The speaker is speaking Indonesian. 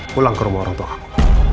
pulang ke rumah orang tua aku